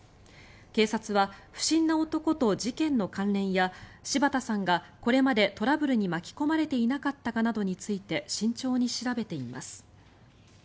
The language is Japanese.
警察は不審な男と事件の関連や柴田さんがこれまでトラブルに巻き込まれていなかったかなどについて慎重に調べています。